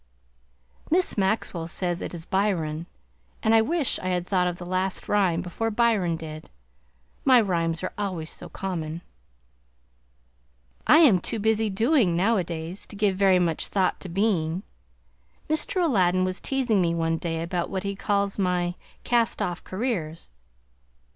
Miss Maxwell says it is Byron, and I wish I had thought of the last rhyme before Byron did; my rhymes are always so common. I am too busy doing, nowadays, to give very much thought to being. Mr. Aladdin was teasing me one day about what he calls my "cast off careers."